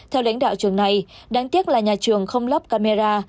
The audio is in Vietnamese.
theo lãnh đạo trường này đáng tiếc là nhà trường không lắp camera